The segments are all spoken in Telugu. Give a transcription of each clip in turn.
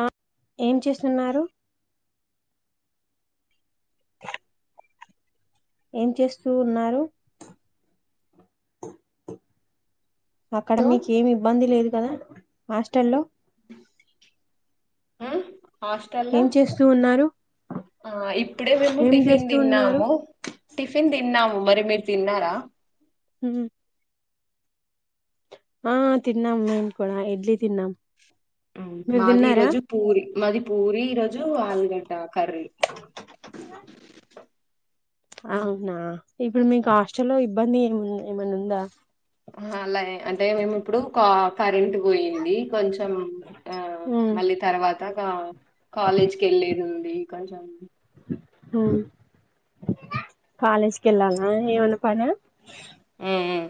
ఆ ఏం చేస్తున్నారు ఏం చేస్తూ ఉన్నారు అక్కడ లో మీకు ఏమి ఇబ్బంది లేదు కదా హాస్టల్లో ఉమ్ హాస్టలో ఏం చేస్తూ ఉన్నారు ఆ ఇప్పుడే మేము ఏం టిఫిన్ చేస్తూ ఉన్నారు తిన్నాము టిఫిన్ తిన్నామ మరి మీరు తిన్నారా హ్మ్ హ్మ్ ఆ తిన్నాం మేము కూడా ఇడ్లీ తిన్నాం ఉమ్ మీరు మాది ఈ తిన్నారా రోజు పూరి మాది పూరి ఈరోజు ఆలుగడ్డ కర్రీ అవునా ఇప్పుడు మీకు హాస్టల్లో ఇబ్బంది ఏం ఏమైన్నా ఉందా ఆహా అలా అంటే మేము ఇప్పుడు కా కరెంట్ పోయింది కొంచం ఆ ఉమ్, మళ్ళీ తర్వాత అంతాగా కాలేజీక్లేది ఉంది కొంచెం ఉమ్ కాలేజీకెళ్లల ఏమయనా పన ఉమ్ ఉమ్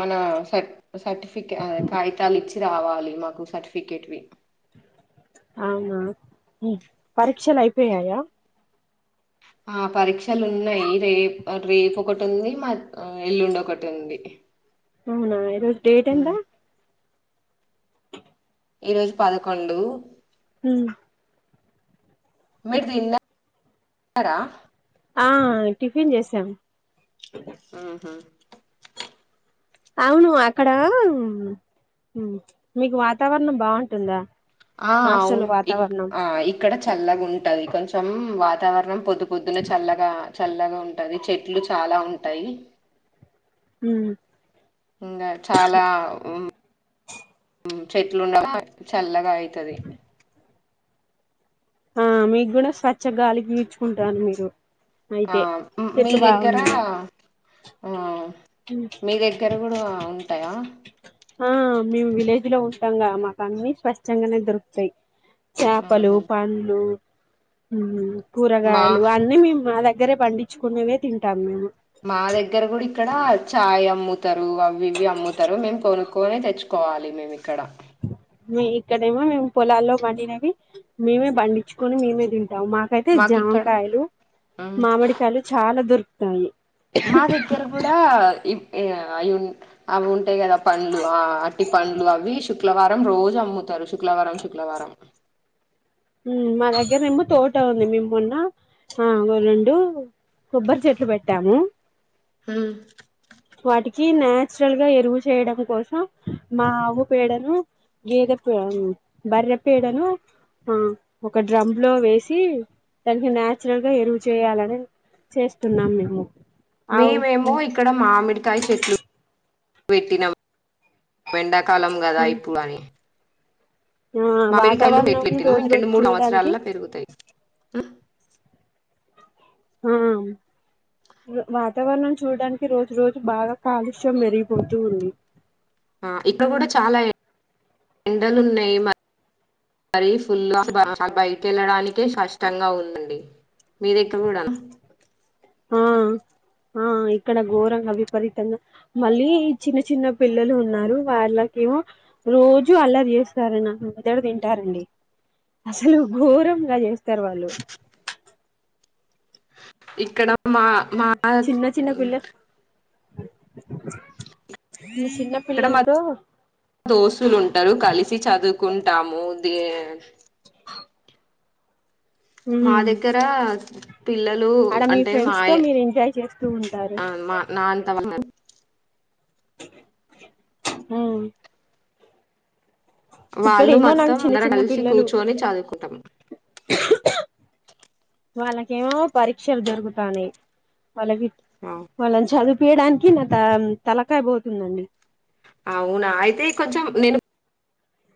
మన స సర్టిఫికే కాగితాలు ఇచ్చి రావాలి మాకు సర్టిఫికెట్ వి అవునా హుం పరీక్షలు అయిపోయాయా ఆ పరీక్షలు ఉన్నాయి రేప్ రేపు ఒకటి ఉంది మా ఆ ఎల్లుండి ఒకటి ఉంది అవునా ఈరోజు డేట్ ఎంత ఈరోజు పదకొండు ఊ మీరుతిన్న కదా ఆ టిఫిన్ చేసాం ఆహా అవును అక్కడ ఉ మీకు వాతావరణం బావుంటుందా. ఆ అవున్ ఇక్ ఆ ఇక్కడ చల్లగా ఉంటది కొంచెం వా తవరణం పొద్దు పొద్దున్న చల్లగా చల్లగా ఉంటది చెట్లు చాలా ఉంటాయి. ఉమ్ ఇంగా చాలా ఉ ఉ చెట్లు ఉండగా చల్లగా అయితది ఆ మీకు కూడా స్వచ్ఛగాలి పిల్చుకుంటాను మీరు ఆ అయితే ఉ మీ చెట్లు దగ్గర బాగున్నాయి ఆ మీ దగ్గర కూడా అ ఉంటాయా ఆ మేము విలేజ్ లో ఉంటాం కద మాకు అన్ని స్వచ్ఛంగానే దొరుకుతాయి. చేపలు, మ్మ్హ. పండ్లు ఉమ్ మా కూరగాయలు అన్నీ మేము మా దగ్గ దగ్రే పండించుకునేవే తింటాం మేము. ముత అవి ఇవి అమ్ముతారు మేం కొను కునే తెచ్చుకోవాలి మేము ఇక్కడ మీ ఇక్కడేమో మేము పొలాల్లో పండినవి మేమే పండించుకొని మేమే తిం ఎవమ్మ మాకైతే మాకు ఇక్కడ జామకాయలు, మామిడికాయలు చాలా దొరుకు టాయి మా దగ్గర కూడా ఇప్ ఇగ అయున్ అవున్ టాయి కదా పండ్లు ఆ అరిటిపండ్లు అవి శుక్లవారం అం రోజు అమ్ముతారు శుక్లవారం శుక్లవారం ఊ మా దగ్గర ఏమో తోట ఉంది. మేము మొన్న ఆ రెండు కొబ్బరి చెట్లు పెట్టాము. హమ్ కి నాచురల్ గా ఎరువులు చేయడం కోసం మా ఆవు పేడను, గేదె పే బర్రే పేడను ఆ ఒక డ్రమ్ లో వేసి దానికి న్యాచురల్గా ఎరువు చేయాలని చేస్తున్నాం మేము. మేమేమో ఆవు ఇక్కడ మామిడి కాయ చెట్లు పెట్టినం వెండాకాలం కదా అయిపోవాలి ఆ మామిడికాయలు బేట్లు వాతావరణం పెట్నాము రోజు ఇంకెండు రోజు మూడు చూడడానికి సంవత్సరాల పెరుగుతాయి ఉ ఆ వాతావరణం చూడడానికి రోజు రోజు బాగా కాలుష్యం మరిగిపోతూ ఉంది ఆ ఇక్కడ కూడా చాలా ఎండలు ఉన్నాయి మ బర ఫుల్ బ పకెళ్ళడానికే కాష్టంగా ఉంది మీ దుకు కూడా ఆ ఆ ఇక్కడ ఘోరంగా విపరీతంగా మళ్ళీ చిన్న చిన్న పిల్లలు ఉన్నారు వాళ్ళకేమో రోజు అల్లారీ చేస్తారని మొదట తింటారండి అసలు ఘోరంగా చేస్తారు వాళ్ళు ఇక్కడ మా మా చిన్న చిన్న పిల్ల చిన్న ఇక్కడ మా పిల్లలతో దోస్తులుంటారు కలిసి చదువు కుంటాము దే హా మా దగ్గర పిల్లలు ఆడ మీ అంటే ఫ్రెండ్స్ తో మాయ మీరు ఎంజాయ్ చేస్తూ ఉంటారు ఆ మా నాంత వ ఉ వాళ్ళు ఏమో నాకు మొత్తం చిన్న అందర చిన్న కలిసి పిల్లలు కూర్చుని చదువుకుంటాం వాళ్ళకేమో పరిషాలు జరుగుతాయి వాళ్ళకి వాళ్ళని చదువు పీయడానికి నా త తలకాయ పోతుందండి అవునా అయితే కొంచెం నేను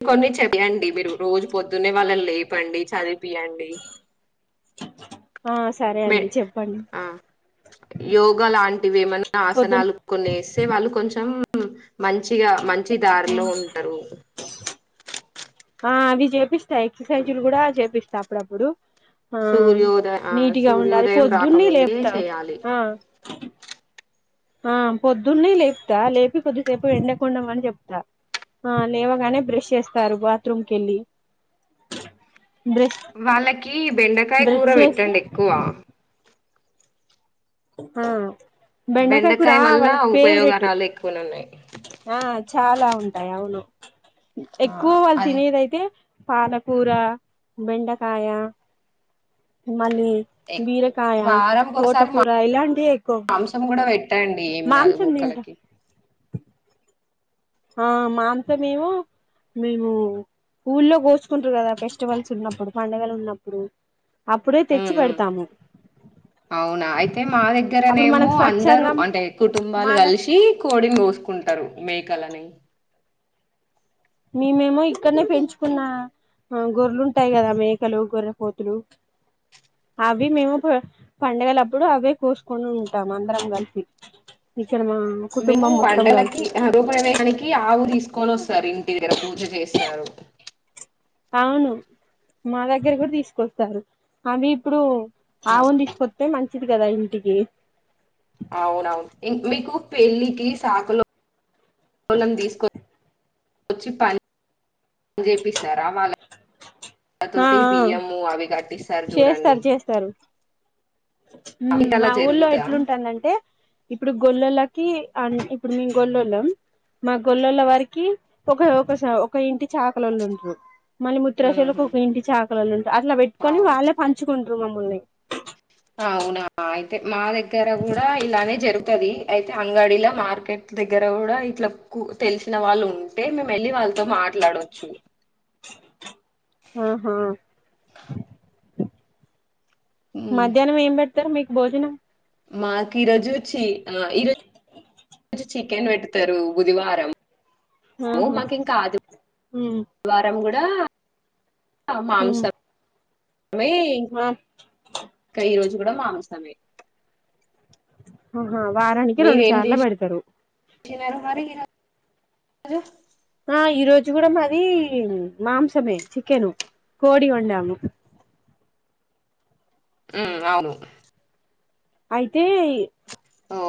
కొన్ని చెదిండి మీరు రోజు పొద్దునే వాళ్ళని లేపండి చదివిపియండి ఆ సరే మే అండి చెప్పండి ఆ యోగా లాంటివి ఏమన్నా పొద్దున్ ఆసనాలు కొనేస్తే వాళ్ళు కొంచెం ఉ మంచిగా మంచి దారిలో ఉంటారు అది చెపి ఎక్ససైజులు కూడా చేపిస్తాం అప్పుడప్పుడు ఆ సూర్యోదయ ఆ నీట్గా ఉండాలి సూర్యోదయం పొద్దునే రాకముందుకే లేపుతా చేయాలి ఆ ఆ పొద్దున్నే లేపుతా లేపి కొద్దిసేపు ఎండకుండా అని చెప్తా ఆ లేవగానే బ్రష్ చేస్తారు బాత్రూమ్కి కేళ్ళి బెస్ ఈ బెండకాయ కూర పేట్టడి ఎక్కువ ఆ బెండకాయ కూరా వల్ల వాళ్ళకి ఫేవరెట్ ఉపయోగరాలు ఎక్కువనే ఉన్నాయి ఆ చాలా ఉంటాయి అవును ఆ ఎక్కువ వాళ్ళు అది తినేదైతే పాలకూర బెండకాయ మళ్ళి బీరకాయ వారంకి ఒకసారి తోటకూర ఇలాంటియే ఎక్కువ ట్టండి ఏం కాదు మాంసం తింటా కుొక్కలకి ఆ మాంసమేమో మేము ఊల్లో కోసుకుంటారు కదా ఫెస్టివల్స్ ఉన్నప్పుడు పండుగలు ఉన్నప్పుడు అప్పుడే మ్ తెచ్చి మ్ పెడతాము అవునా అయితే మా అప్పుడు దగ్గరనేమో మనకు అందరూ స్వచ్ఛంగా అంటే కుటుంబాలు మాద కలిసి కోడిని కోసుకుంటారు మేకలని మ మేమో ఇక్కన్నే పెంచుకున్న గొర్రలు ఉంటాయి కదా మేకలు గొర్రెపోతులు అవి మేము ప్ పండగలప్పుడు అవే కోసుకొని ఉంటాం అందరం కలిపి మేము పండలకి అహ హృప్రవేశానికి ఆవు తీసుకొని వస్తారు ఇన్ టి దగ్గర పూజ చేస్తారు అవును మా దగ్గర కూడా తీసుకొస్తారు అవి ఇప్పుడు ఆవును తీసుకోతే మం చిది కదా ఇంటికి అవునవును ఇం మీకు పెళ్ళికి సాకులోంన్ తీసుకొ వచ్చి పని అ చేపిస్తారా వాళ్ళ ఆ ళతోటి ఆ బియ్యం అవి కట్టిస్తారు చూడండి హు మీకు మా అలా ఊళ్లో జరుగుదా ఎట్లుంటందంటే ఇప్పుడు గొళ్ళోలకి అండ్ ఇప్పుడు మేము గొల్లోళ్ళం మా గొల్లోళ్ళ వారికి ఒక ఒక స ఒక ఇంటి చాకలోళ్ళు ఉంటరు మల్లి ముత్రాషోల్లకు ఉహు ఒక ఇంటి చా కల్లోళ్ళున్ అట్లా పెట్టుకొని అవును వాళ్ళే పంచుకుం కుంట్రు మమ్ముల్ని అవునా అయి తే మా దగ్గర కూడా ఇలానే జరు తది అయితే అంగడిల మార్కెట్ దగ్గర గుడా ఇట్లా కు తెలిసిన వాళ్ళు ఉంటే మేం వెళ్ళి వాళ్ల తో మాట్లాడొచ్చు ఆహా ఉమ్. మధ్యాహ్నం ఏం పెట్ త్తరు మీకు భోజనం మాకు ఈ రోజు చి ఆ ఈరోజు చి కెన్ పెట్టుతారు బుద వారం ఓ ఆహా మాకు ఇంకా ఆది ఉమ్ వారం గుడ్ డా ఆ ఉమ్ మాంసం వెయ్ ఆ ఇంక ఈ రోజు గూడ మాంసమే హ ఆ వారానికి రొండు సార్ల బెడతరు సినారు మరి ఈరోజు ఆ ఈరోజు కూడా మాది మాంసమే చికెను కోడి వండాము మ్మ్ అవును అయితే ఇ ఓ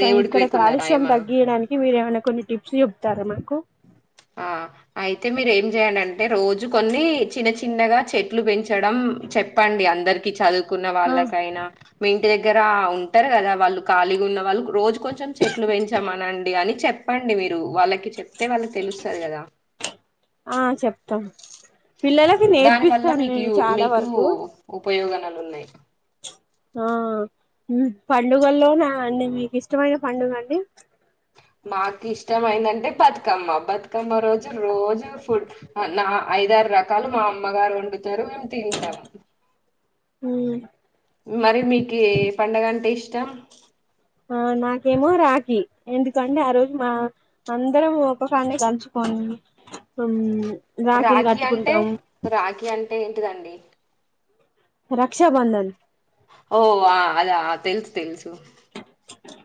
కానీ దేవుడికి ఇక్కడ పెట్టుకున్నారా కాలుష్యం ఏమా తగ్గియడానికి మీరే అన కొన్ని టిప్స్ చెప్తారా మాకు ఆ అయితే మీరు ఏం చేయలంటే రోజు కొన్ని చిన్న చిన్నగా చెట్లు పెంచి చడం చెప్పండి అందరి ఇ చదువ్ కున్న ఆ వాళ్ళకైనా మేమ్ ఇంటి దగ్గర ఉంటరు గదా వాళ్ళు ఖాళీగా ఉన్న వాళ్ళు రోజు కొంచెం చెట్లు పెంచమనండి అని చెప్ ప్పండి మీరు వాళ్ళకి చెప్తే వాళ్ళు తె ఆ చెప్తాం పిల్లలకి దాని నేర్పిస్తాను నేను చాలా వరకు. ఉపయోగనలున్నాయి. ఆ ఉమ్మ్ పండుగల్లోన అండి మీకు ఇష్టమైన పండుగ అండి. మాకి ఇష్ట మైదంటె బతుకమ్మ బతుకమ్మ రోజు. రోజూ ఫుడ్ అనా ఐదారు రకాలు మా అమ్మగారు వండుతారు. తింటాం ఉమ్ మరి మీకే పండగ అంటే ఇష్ టం ఆ నాకేమో రాఖీ ఎందుకంటే ఆ రోజు మ అందరం ఒక కాన్నే కలుచుకోని ఉమ్ రాఖీ అంటే రాఖీ అంటె ఏన్ టిదండి. రక్షాబంధన్. ఓ వ అదా తెల్స్ తెలుసు.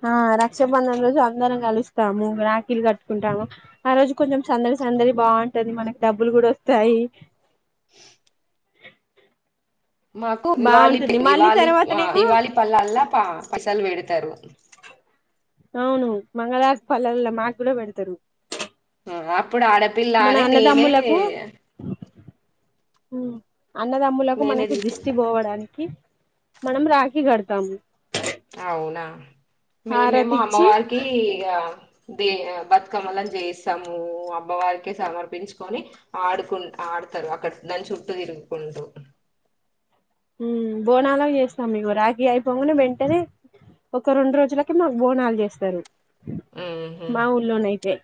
ఆ రక్షాబంధన్ రోజు అందరం కలుస్తాము రాఖీల్ కట్టుకుంటాము ఆ రోజు కొంచెం సందడి సందడి బాగుంటది మనకి డబ్బులు గూడొస్తాయి. మాకు నివాళి బాగుంటుంది మళ్ళీ నివాళి తర్వాతనేమో నివాళి పల్లాల పసల్ బెడ్తారు. [inaudible] అవును మంగళార్ పల్లాల్ల మాక్కూడ బెడ్తారు. ఉ ఆ అప్పుడు ఆడపిల్ల అని నేనే. ఉమ్. అన్నదమ్ములకు నేనే మనకి దిష్టి తీసుకుంటా బోవడానికి. మనం రాఖీ గడతాము. అవునా మేమేమో హారతి ఇచ్చి అమ్మవారికి ఇగ. దే బతుకమ్మలం జేయిస్తామూ అమ్మవారికే సమర్పించుకొని ఆడుకు ఆడతారు అక్కడ దాని చుట్టూ దిరుగుకుంటూ. ఉ బోనాల్ అవి చేస్తాం ఇగొ రాఖీ ఐపోంగనే వెంటనే ఒక రెండు రోజులకి మాకు బోనాలు జేస్తారు. ఉహు మావుల్లోనైతే [inaudible]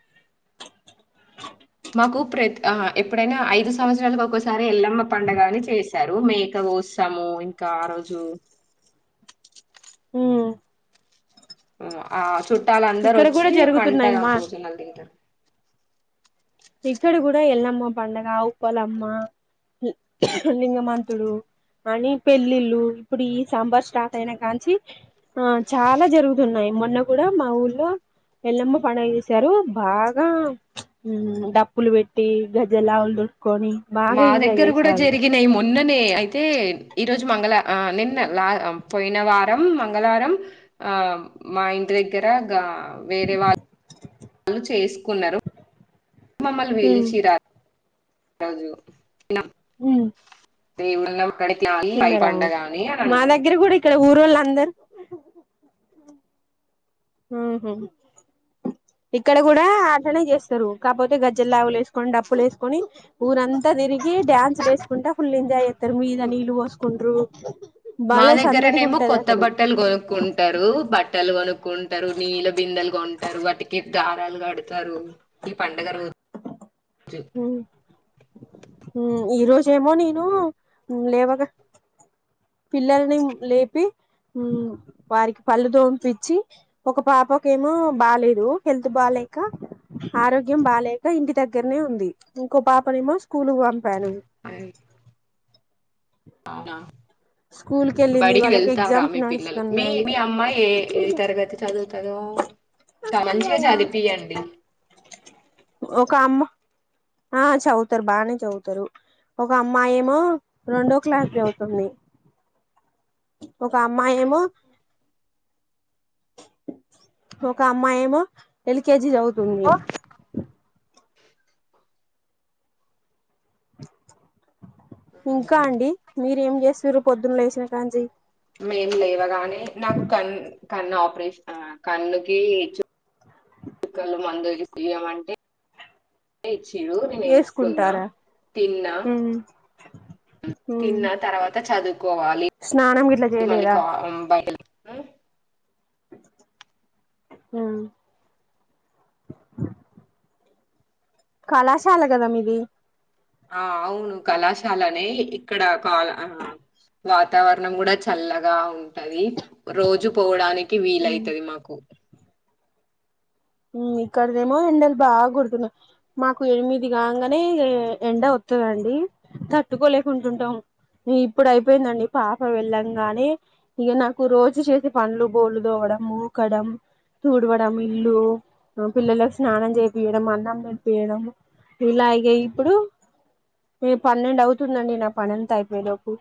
మాకు ప్రత్ అహ్ ఎప్పుడైనా ఐదు సంవత్సరాల కొకసారి సారి ఎల్లమ్మ పండగని చేసారు మేక కోత్సము ఇంకా ఆ రోజు. ఉమ్మ్ ఉ ఆ చు. ట్టాల అందరు ఇక్కడ వచ్చి కూడా వంట జరుగుతున్నాయమ్మా భోజనాల్ దింటర్. ఇక్కడ కూడా ఎల్లమ్మ పండగ ఉప్పలమ్మ లింగమంతుడు అని పెళ్ళిళ్ళు ఇప్పుడు ఈ సాంబార్ స్టార్ట్ అయినా కాంచీ అహ్ చాలా జరుగుతున్నాయి మొన్న కూడా మా ఊళ్లో ఎల్లమ్మ పండుగ జేశారు బాగా ఉమ్. డప్పులు పెట్టి గజ్జె లావుల్. మా దగ్గర గుడా జరిగినాయ్ మొన్ననే ఐతే. ఈ రోజు మంగళ అ నిన్నలా పోయిన వారం మంగళరం ఆ మా ఇంటి దగ్గర గా వేరే వాళ్ళు చేసుకున్నారు. మమ్మల్ని మ్మ్ బిలిషిర. ఆ రోజు నం హ దేవుడగల్ తిన్నరా మా దగ్గర కూడా ఇక్కడ ఊరొళ్ళ అం అందరు ఇక్కడ గూడా ఆట్లనే జేస్తారు కాకపోతే గజ్జల్ లావులు వేసుకొని డప్పులు ఏసుకొని ఊరంతా దిరిగి డ్యాన్స్ లు ఏసుకుంటా ఫుల్ ఎంజాయ్ జె [unintelligible] మీద నీళ్ళు పోసుకుంట్రు మా భలే దగ్గరనే సందడిగా ఏమో ఉంటది కొత్త అసలు బట్టలు కొనుక్కుంటారు బట్ బట్టలు కొనుక్కుంటారు నీళ్ళ బిందెలు గొంటరు వాటికి దారాలు కడతారు ఈ పండగ రో హ ఈ రోజేమో నేను లేవగా పిల్లల్ని లేపి వారికి పళ్ళు దోంపించి ఒక పాపకేమో బాలేదు హెల్త్ బాలేక ఆరోగ్యం బాలేేక ఇంటి దగ్గరనే ఉంది ఇంకో పాపనేమో కూలుకు వంపాను అవునా స్కూల్ కెళ్ళింది బడికి వాళ్ళకి వెళ్త రా ఎగ్జామ్స్ మీ పిల్లలు మీ నడుస్తున్నాయి మీ అమ్మాయి ఏ ఏ తరగతి చదువుతదో చాలా మంచిగా చదివిపియండి ఒక అమ్మ ఆ చదువుతారు బానే చదువుతారు ఒక అమ్మాయి ఏమో రెండో క్లాస్ చదువుతుంది ఒక అమ్మాయి ఏమో ఒక అమ్మాయి ఏమో ఎల్కేజీ చదు తుంది ఇంకా అండి మీరేం చే సిరు పొద్దున్న లేసినా కాంచి మేం లేవగానే నాకు క కన్ను ఆపరేషన్ కన్నుకి క్కలు మందు ఇపుడు ఇయమంటే చరు నేను వేసుకున్నా వేసుకుంటారా తిన్నా మ్మ్ తిన్నా తర్వాత చదువు కోవాలి స్నానం గిట్లా మళ్ళీ చేయలేదా కా ఊ బయ ఉ అ కళాశాల కదా మీది ఆ అవును కళాశాలనే ఇక్కడ కాల ఆ వాతావరణం కూడా చల్లగా ఉంటది రోజు పోవడానికి వీలైతది మాకు ఇక్కడదేమో ఎండలు బాగా కుడుతున్నాయి మాకు ఎనిమిది కాగానే ఎండ వస్తుందండి తట్టుకోలేకుంటుంటాం ఇప్పుడు అయిపోయిందండి పాప వెళ్ళంగానే ఇక నాకు రోజు చేసి పండ్లు బోలు తోవడం ఊకడం తుడవడం ఇల్లు పిల్లలకు స్నానం చేపియడం అన్నం నడిపియడం ఇలాగే ఇప్పుడు మీ పన్నెండు అవుతుందండి నా పనంత అయిపోయేలోపు